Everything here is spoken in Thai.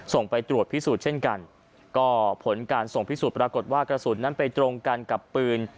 ส่งไปตรวจพิสูจน์เช่นกันก็ผลการส่งพิสูจน์ปรากฏว่ากระสุนนั้นไปตรงกันกับปืน